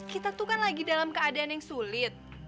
kita tuh kan lagi dalam keadaan yang sulit